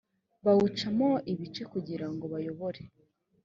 bawucamo ibice kugira ngo bayobore